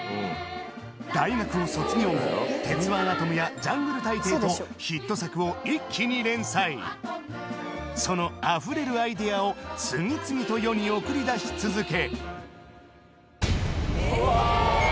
大学を卒業後『鉄腕アトム』や『ジャングル大帝』とヒット作を一気に連載そのあふれるアイデアを次々と世に送り出し続け